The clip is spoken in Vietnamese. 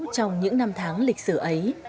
trong những năm tháng lịch sử ấy